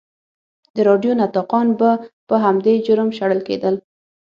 د راډیو نطاقان به په همدې جرم شړل کېدل.